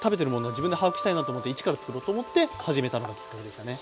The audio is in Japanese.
自分で把握したいなと思って一からつくろうと思って始めたのがきっかけでしたね。